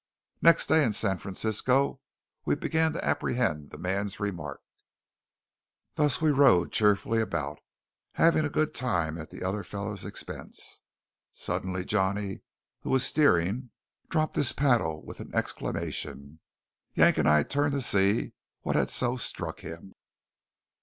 Next day, in San Francisco, we began to apprehend the man's remark. Thus we rowed cheerfully about, having a good time at the other fellow's expense. Suddenly Johnny, who was steering, dropped his paddle with an exclamation. Yank and I turned to see what had so struck him.